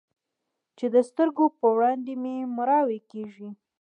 چې د سترګو په وړاندې مې مړواې کيږي.